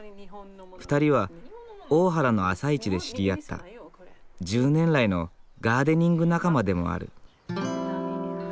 ２人は大原の朝市で知り合った１０年来のガーデニング仲間でもある。